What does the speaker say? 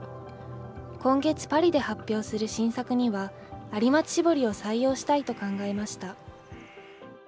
今月、パリで発表する新作には、有松絞りを採用したいと考えました。